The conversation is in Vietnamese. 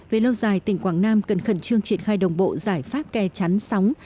về lâu dài tỉnh quảng nam cần khẩn trương triển khai đồng bộ giải pháp kè chắn sóng